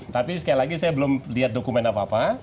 tapi sekali lagi saya belum lihat dokumen apa apa